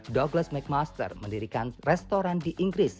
doglass mcmaster mendirikan restoran di inggris